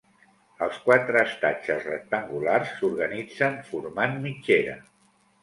Els quatre estatges rectangulars s'organitzen formant mitgera.